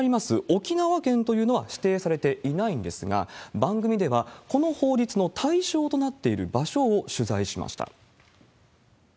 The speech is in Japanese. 沖縄県というのは指定されていないんですが、番組では、この法律の対象となっている場所を取材しました。